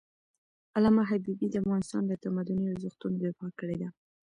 علامه حبيبي د افغانستان له تمدني ارزښتونو دفاع کړی ده.